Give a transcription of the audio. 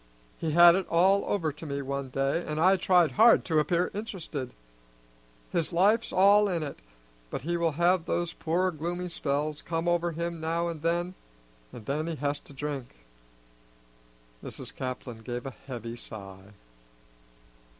He had it all over to me one day, an' I tried hard to appear interested. His life's all in it, but he will have those poor gloomy spells come over him now an' then, an' then he has to drink." Mrs. Caplin gave a heavy sigh.